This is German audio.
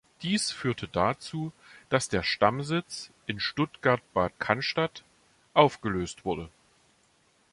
Dies führte dazu, dass der Stammsitz in Stuttgart-Bad Cannstatt aufgelöst wurde.